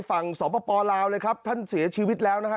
ฝั่งสปลาวเลยครับท่านเสียชีวิตแล้วนะฮะ